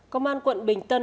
công an quận bình tân